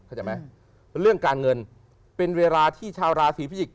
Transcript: เข้าใจไหมเรื่องการเงินเป็นเวลาที่ชาวราศีพิจิกษ